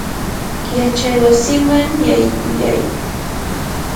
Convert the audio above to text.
yachaywasiman yaykuyay.